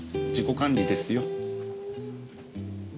自己管理ですよ。